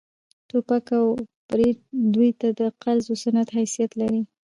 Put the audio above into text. ټوپک او برېت دوى ته د فرض و سنت حيثيت لري.